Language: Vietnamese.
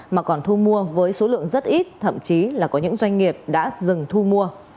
mà còn thu mua với số lượng rất ít thậm chí là có những doanh nghiệp đã dừng thu mua